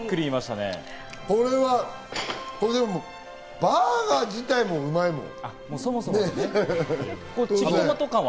これはバーガー自体もうまいもん。